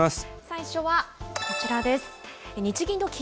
最初はこちらです。